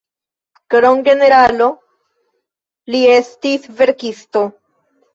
Krom generalo, li estis verkisto.